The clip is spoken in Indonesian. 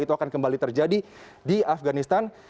itu akan kembali terjadi di afganistan